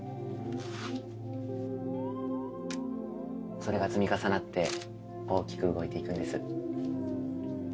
それが積み重なって大きく動いていくんです。